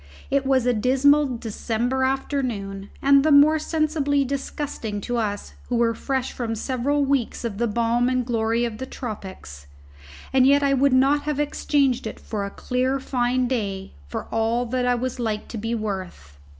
It was a dismal December afternoon, and the more sensibly disgusting to us who were fresh from several weeks of the balm and glory of the tropics. And yet I would not have exchanged it for a clear fine day for all that I was like to be worth.